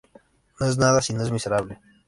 No es nada si no miserable.